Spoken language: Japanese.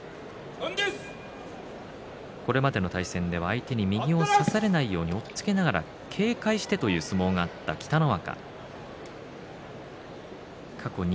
これまでの対戦は相手に右を差されないように押っつけながら警戒していた相撲があった北の若。